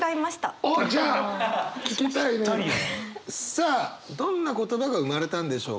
さあどんな言葉が生まれたんでしょうか？